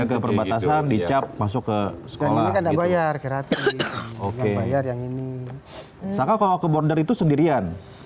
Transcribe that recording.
ke perbatasan dicap masuk ke sekolah yang ini sangka kalau ke border itu sendirian